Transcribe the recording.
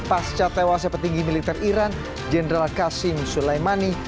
pas catewasa petinggi militer iran general qasim soleimani